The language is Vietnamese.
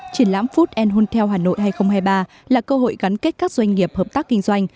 triển lãm food honthealth hà nội hai nghìn hai mươi ba là cơ hội gắn kết các doanh nghiệp hợp tác kinh doanh